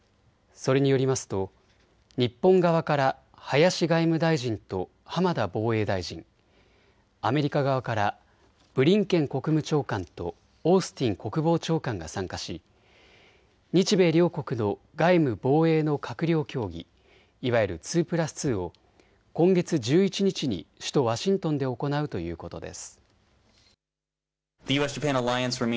それによりますと日本側から林外務大臣と浜田防衛大臣、アメリカ側からブリンケン国務長官とオースティン国防長官が参加し日米両国の外務・防衛の閣僚協議、いわゆる２プラス２を今月１１日に首都ワシントンで行うということです。